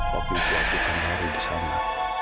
waktu itu kan baru di sana